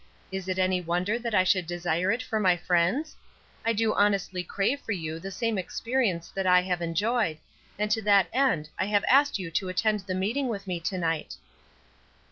Is it any wonder that I should desire it for my friends? I do honestly crave for you the same experience that I have enjoyed, and to that end I have asked you to attend the meeting with me to night."